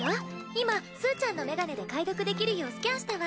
今すうちゃんのメガネで解読できるようスキャンしたわ。